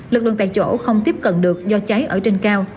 lực lượng tại chỗ không tiếp cận được do cháy ở trên cao